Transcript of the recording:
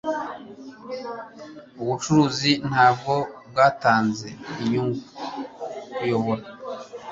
Ubucuruzi ntabwo bwatanze inyungu (_kuyobora)